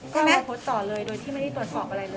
ก็ไปโพสต์ต่อเลยโดยที่ไม่ได้ตรวจสอบอะไรเลย